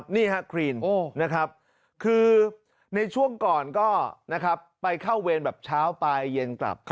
นี่ฮะครีนนะครับคือในช่วงก่อนก็ไปเข้าเวรแบบเช้าปลายเย็นกลับ